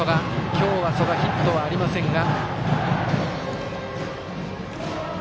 今日は曽我ヒットはありませんが。